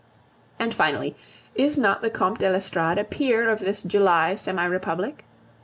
And finally, is not the Comte de l'Estorade a peer of this July semi republic?